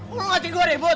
orang ngasih gue rebut